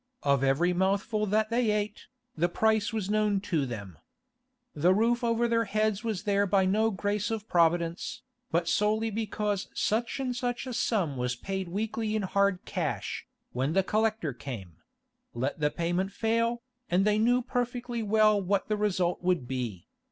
Of every mouthful that they ate, the price was known to them. The roof over their heads was there by no grace of Providence, but solely because such and such a sum was paid weekly in hard cash, when the collector came; let the payment fail, and they knew perfectly well what the result would be.